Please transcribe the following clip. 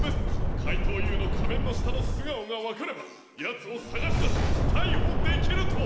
かいとうＵのかめんのしたのすがおがわかればヤツをさがしだしたいほできると！